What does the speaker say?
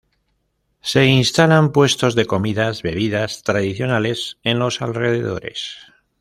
Se instalan puestos de comidas, bebidas tradicionales en los alrededores.